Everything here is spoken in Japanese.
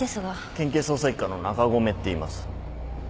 県警捜査一課の中込っていいます。